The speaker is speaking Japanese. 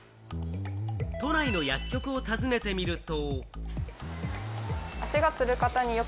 都内の薬局を訪ねてみると。